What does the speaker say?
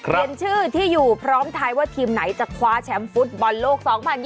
เห็นชื่อที่อยู่พร้อมท้ายว่าทีมไหนจะคว้าแชมป์ฟุตบอลโลก๒๐๒๐